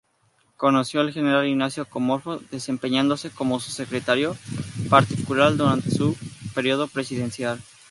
Conoció al general Ignacio Comonfort, desempeñándose como su secretario particular durante su período presidencial.